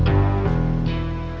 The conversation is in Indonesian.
terminal kita ambil alis kalian